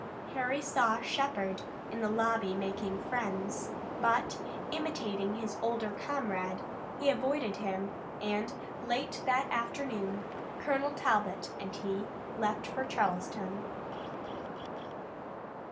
Harry saw Shepard in the lobby making friends, but, imitating his older comrade, he avoided him, and late that afternoon Colonel Talbot and he left for Charleston.